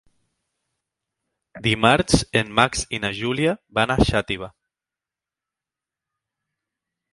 Dimarts en Max i na Júlia van a Xàtiva.